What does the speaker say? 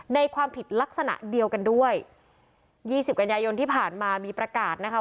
ในความผิดลักษณะเดียวกันด้วยยี่สิบกันยายนที่ผ่านมามีประกาศนะคะ